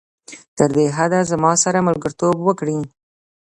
تر دې حده زما سره ملګرتوب وکړي.